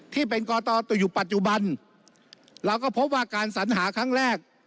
ที่เป็นกตอยู่ปัจจุบันเราก็พบว่าการสัญหาครั้งแรก